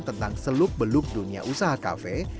tentang seluk beluk dunia usaha kafe